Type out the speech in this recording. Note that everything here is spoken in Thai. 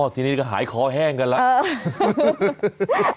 ทีนี้ก็หายคอแห้งกันแล้ว